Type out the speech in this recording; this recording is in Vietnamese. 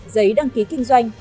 giấy đăng ký kinh doanh